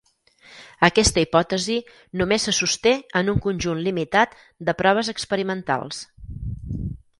Aquesta hipòtesi només se sosté en un conjunt limitat de proves experimentals.